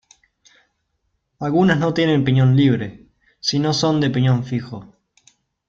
Algunas no tienen piñón libre, sino son de piñón fijo.